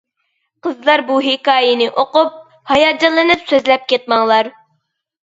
قىزلار بۇ ھېكايىنى ئوقۇپ ھاياجانلىنىپ سۆزلەپ كەتمەڭلار.